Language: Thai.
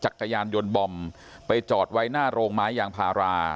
จักรยานยนต์บอมไปจอดไว้หน้าโรงไม้ยางพารา